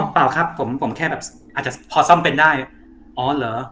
เปล่าครับผมผมแค่แบบอาจจะพอซ่อมเป็นได้อ๋อเหรอ